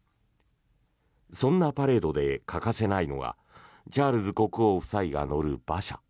そんなパレードで欠かせないのがチャールズ国王夫妻が乗る馬車。